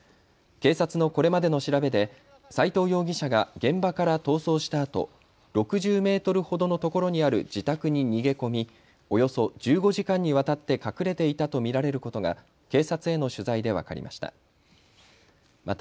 警察のこれまでの調べで斎藤容疑者が現場から逃走したあと６０メートルほどの所にある自宅に逃げ込みおよそ１５時間にわたって隠れていたと見られることが警察への取材で分かりました。